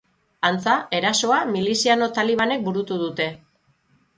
Antza, erasoa miliziano talibanek burutu dute.